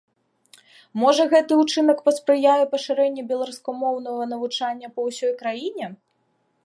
Можа, гэты ўчынак паспрыяе пашырэнню беларускамоўнага навучання па ўсёй краіне?